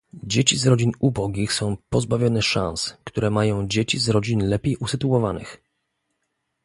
Dzieci z rodzin ubogich są pozbawione szans, które mają dzieci z rodzin lepiej usytuowanych